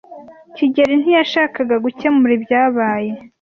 kigeli ntiyashakaga gukemura ibyabaye.